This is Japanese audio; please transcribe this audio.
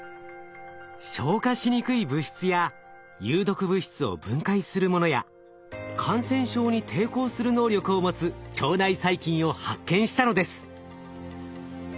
消化しにくい物質や有毒物質を分解するものや感染症に抵抗する能力を持つ腸内細菌を発見したのです。